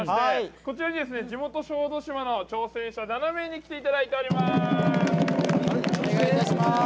こちらに地元・小豆島の挑戦者７名に来ていただいております。